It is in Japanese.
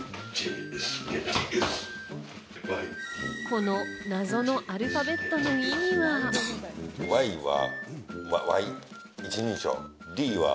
この謎のアルファベットの意味は？